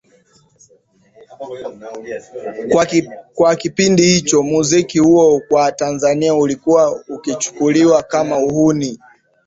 Kwa kipindi hicho muziki huo kwa tanzania ulikuwa ukichukuliwa Kama uhuni